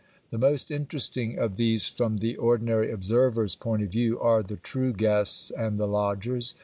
The most interesting of these from the ordinary observer's point of view are the true guests and the lodgers.